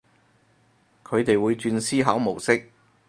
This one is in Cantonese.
佢哋會轉思考模式